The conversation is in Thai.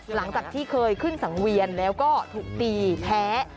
หลังจากที่เคยขึ้นสังเวียนแล้วก็ถูกตีแพ้